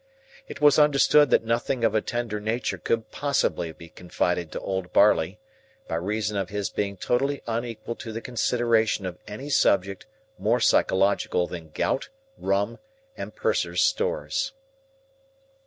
It was understood that nothing of a tender nature could possibly be confided to old Barley, by reason of his being totally unequal to the consideration of any subject more psychological than Gout, Rum, and Purser's stores.